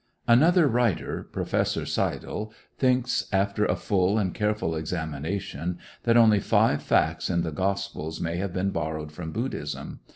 Another writer, Professor Seydel, thinks, after a full and careful examination, that only five facts in the Gospels may have been borrowed from Buddhism.